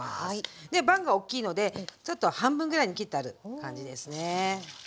でおっきいのでちょっと半分ぐらいに切ってある感じですね。